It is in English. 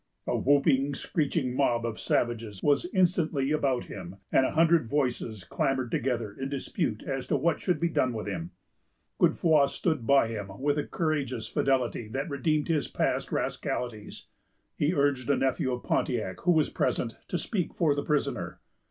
A whooping, screeching mob of savages was instantly about him, and a hundred voices clamored together in dispute as to what should be done with him. Godefroy stood by him with a courageous fidelity that redeemed his past rascalities. He urged a nephew of Pontiac, who was present, to speak for the prisoner.